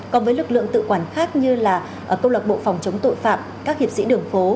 còn với lực lượng tự quản khác như là câu lạc bộ phòng chống tội phạm các hiệp sĩ đường phố